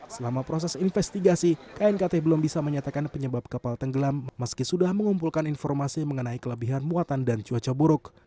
selama proses investigasi knkt belum bisa menyatakan penyebab kapal tenggelam meski sudah mengumpulkan informasi mengenai kelebihan muatan dan cuaca buruk